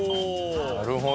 なるほど。